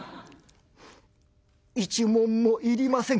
「１文もいりません」。